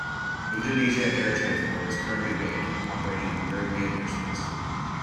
Indonesia Air Transport is currently banned from operating in European airspace.